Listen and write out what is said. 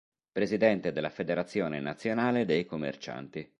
Presidente della federazione nazionale dei commercianti.